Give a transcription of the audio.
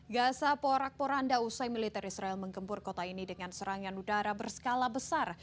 gaza porak poranda usai militer israel menggembur kota ini dengan serangan udara berskala besar